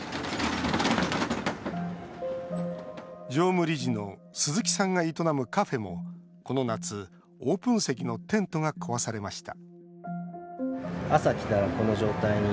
常務理事の鈴木さんが営むカフェもこの夏、オープン席のテントが壊されました